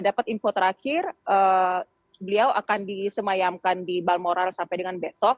apakah masih ramai atau bagaimana